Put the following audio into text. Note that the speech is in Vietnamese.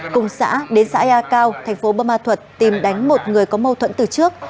cùng xã đến xã yatio thành phố buma thuật tìm đánh một người có mâu thuẫn từ trước